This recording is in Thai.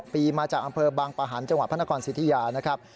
ปีมาจากอำเภอบางปะหันต์จังหวัดพระนครสิทธิยานะครับ